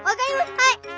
はい！